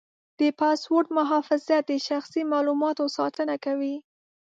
د پاسورډ محافظت د شخصي معلوماتو ساتنه کوي.